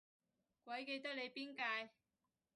鬼記得你邊屆